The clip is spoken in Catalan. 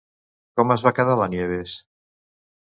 Com es va quedar la Nieves?